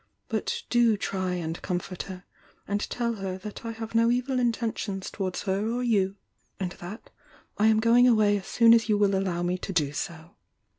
But do try and comfort her, and teU her that I have no evil intentions towards her or you. And that I am going away as soon as you will allow me to do so."